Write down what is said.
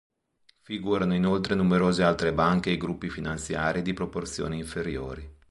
Figurano inoltre numerose altre banche e gruppi finanziari di proporzioni inferiori.